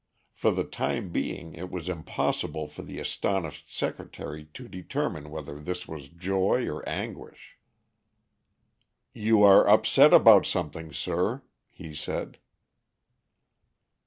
For the time being it was impossible for the astonished secretary to determine whether this was joy or anguish. "You are upset about something, sir," he said.